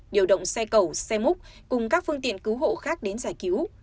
điều động xe cầu xe múc cùng các phương tiện cứu hộ khác đến giải cứu